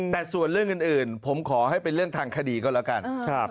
แต่ส่วนเรื่องอื่นผมขอให้เป็นทางคดีเขาแล้วกัน